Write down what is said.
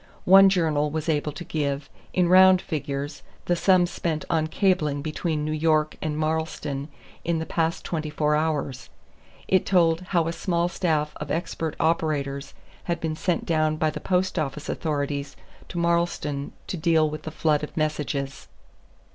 One journal was able to give, in round figures, the sum spent on cabling between New York and Marlstone in the past twenty four hours; it told how a small staff of expert operators had been sent down by the Post Office authorities to Marlstone to deal with the flood of messages.